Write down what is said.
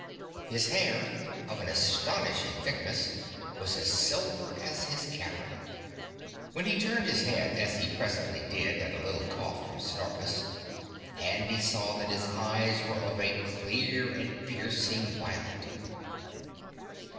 His hair, of an astonishing thickness, was as silver as his cavern. When he turned his head, as he presently did at a little cough from Snorpus, Handy saw that his eyes were of a clear and piercing violet.